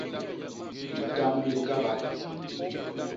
Litam li kaga.